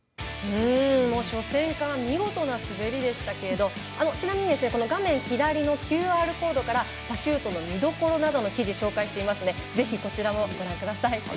初戦から見事な滑りでしたけどちなみに画面左のＱＲコードからパシュートの見どころなどの記事を紹介していますのでぜひこちらもご覧ください。